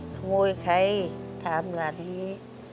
ขโมยใครถามหลังนี้